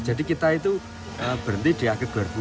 jadi kita itu berhenti di akhir dua ribu dua puluh itu sudah slow